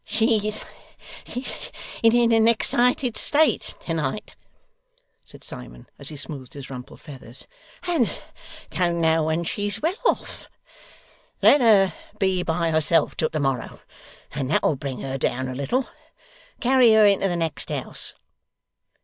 'She's in an excited state to night,' said Simon, as he smoothed his rumpled feathers, 'and don't know when she's well off. Let her be by herself till to morrow, and that'll bring her down a little. Carry her into the next house!